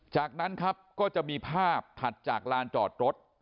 จากนั้นครับก็จะมีภาพถัดจากลานจอดรถ